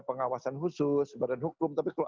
pengawasan khusus badan hukum tapi kalau